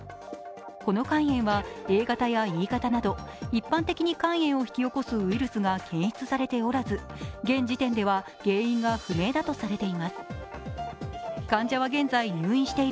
この肝炎はＡ型やＥ型など一般的に肝炎を引き起こすウイルスが検出されておらず、現時点では原因が不明だとされています。